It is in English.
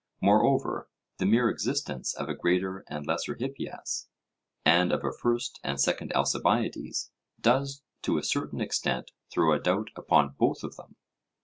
Moreover, the mere existence of a Greater and Lesser Hippias, and of a First and Second Alcibiades, does to a certain extent throw a doubt upon both of them.